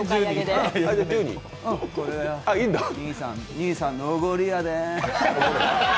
兄さんのおごりやで。